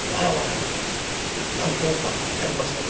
いや何校かやりましたよ。